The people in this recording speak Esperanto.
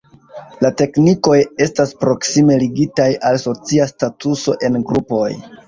La teknikoj estas proksime ligitaj al socia statuso en grupoj.